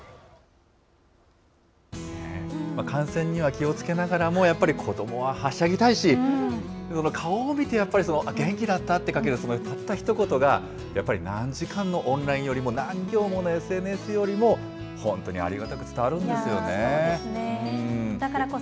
感染には気をつけながらも、やっぱり子どもははしゃぎたいし、顔を見てやっぱり、元気だったってかけるたったひと言が、やっぱり何時間のオンラインよりも、何行のＳＮＳよりも、本当にありがたく伝わるんですよね。